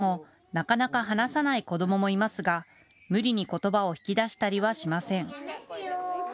質問をされてもなかなか話さない子どももいますが無理にことばを引き出したりはしません。